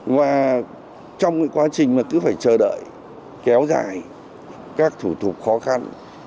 và trong cái quá trình mà cứ phải chờ đợi kéo dài các thủ tục khó khăn